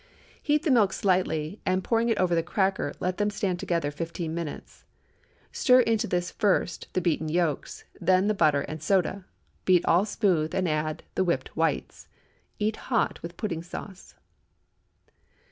Heat the milk slightly, and pouring it over the cracker, let them stand together fifteen minutes. Stir into this first the beaten yolks, then the butter and soda; beat all smooth and add the whipped whites. Eat hot, with pudding sauce.